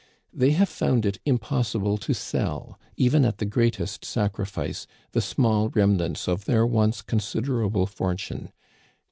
They have found it impossible to sell, even at the greatest sac rifice, the small remnants of their once considerable for tune.